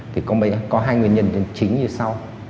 thì có hai nguyên nhân chính như sau